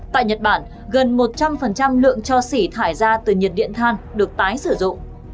tại nhật bản gần một trăm linh lượng cho xỉ thải ra từ nhiệt điện than được tái sử dụng